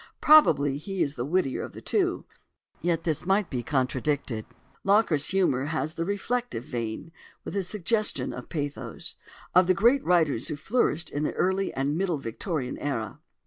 Probably he is the wittier of the two; yet this might be contradicted. Locker's humour has the reflective vein, with a suggestion of pathos, of the great writers who flourished in the early and middle Victorian era.